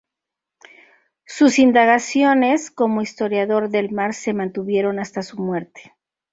Sus indagaciones como historiador del mar se mantuvieron hasta su muerte.